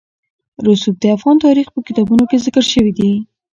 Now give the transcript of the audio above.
رسوب د افغان تاریخ په کتابونو کې ذکر شوي دي.